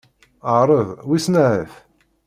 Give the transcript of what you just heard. Ԑreḍ, wissen ahat.